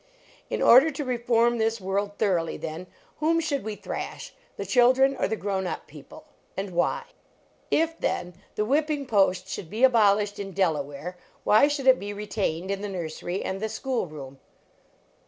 In or der to reform thU work! thoroughly, then, whom should we thrash, the children or the grown up peo l>le?_And why? If, then, the whipping post should LEARNING TO READ be abolished in Delaware, why should it be retained in the nursery and the school room?